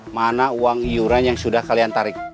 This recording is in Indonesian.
mana uang iuran yang sudah kalian tarik